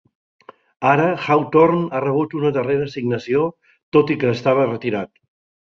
Ara Hawthorne ha rebut una darrera assignació tot i que estava retirat.